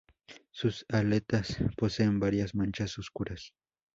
Sus aletas poseen varias manchas oscuras.